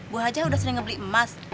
bu haja udah sering beli emas